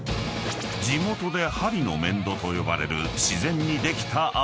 ［地元でハリノメンドと呼ばれる自然にできた穴］